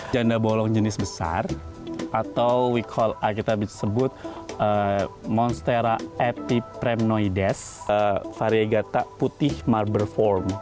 janda bolong jenis besar atau kita sebut monstera etipremnoides variegata putih marber form